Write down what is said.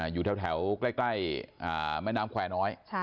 อยู่แถวใกล้แม่น้ำแควร์น้อย